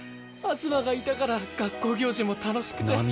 梓馬がいたから学校行事も楽しくて。